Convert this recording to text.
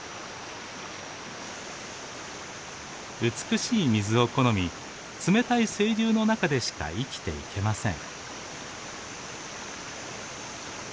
美しい水を好み冷たい清流の中でしか生きていけません。